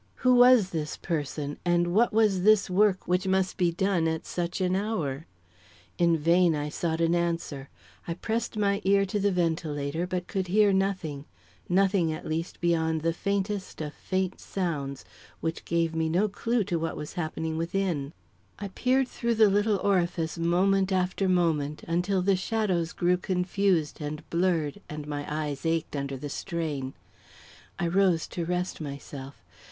Who was this person and what was this work which must be done at such an hour? In vain I sought an answer. I pressed my ear to the ventilator, but could hear nothing; nothing, at least, beyond the faintest of faint sounds, which gave me no clue to what was happening within. I peered through the little orifice moment after moment, until the shadows grew confused and blurred and my eyes ached under the strain. I rose to rest myself.